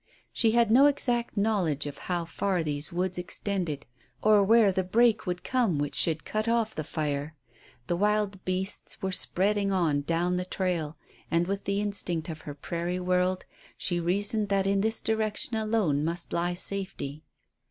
She had no exact knowledge of how far these woods extended, or where the break would come which should cut off the fire. The wild beasts were speeding on down the trail, and, with the instinct of her prairie world, she reasoned that in this direction alone must lie safety.